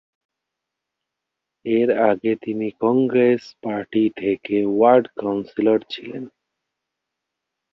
এর আগে তিনি কংগ্রেস পার্টি থেকে ওয়ার্ড কাউন্সিলর ছিলেন।